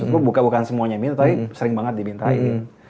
gue bukan semuanya mil tapi sering banget dimintain